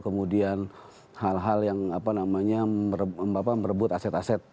kemudian hal hal yang merebut aset aset